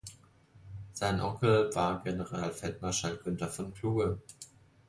Sein Onkel war Generalfeldmarschall Günther von Kluge.